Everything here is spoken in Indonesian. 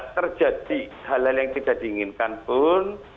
terjadi hal hal yang tidak diinginkan pun